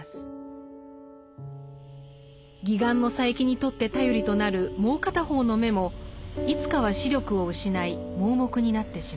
義眼の佐柄木にとって頼りとなるもう片方の眼もいつかは視力を失い盲目になってしまう。